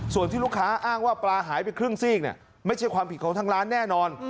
ส่วนที่ลูกค้าอ้างว่าปลาหายไปครึ่งซีกเนี่ยไม่ใช่ความผิดของทางร้านแน่นอน